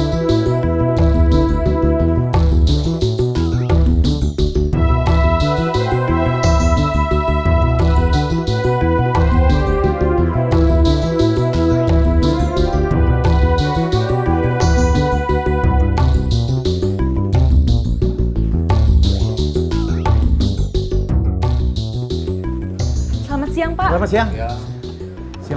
kita akan kekejar polisi